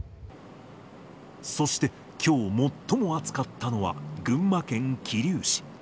そして、きょう最も暑かったのは、群馬県桐生市。